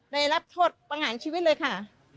ได้รับโทษประหารชีวิตเลยค่ะ